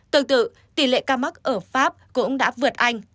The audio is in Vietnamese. tương tự tỷ lệ ca mắc ở pháp cũng đã vượt anh